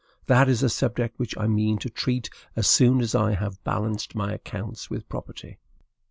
That is a subject which I mean to treat as soon as I have balanced my accounts with property.